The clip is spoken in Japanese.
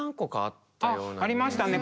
ありましたね